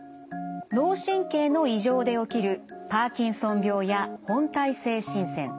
脳神経の異常で起きるパーキンソン病や本態性振戦。